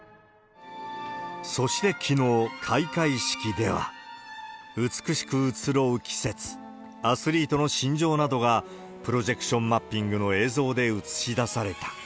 そしてきのう、開会式では、美しく移ろう季節、アスリートの心情などが、プロジェクションマッピングの映像で映し出された。